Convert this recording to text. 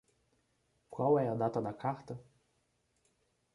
Qual é a data da carta?